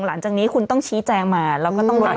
หลังจากนี้คุณต้องชี้แจงมาเราก็ต้องรอ